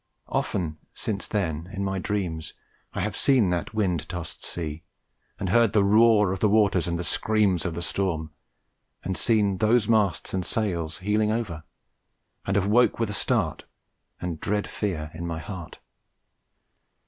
Often since then in my dreams I have seen that wind tossed sea, and heard the roar of the waters and the screams of the storm, and seen those masts and sails heeling over, and have awoke with a start and dread fear in my heart.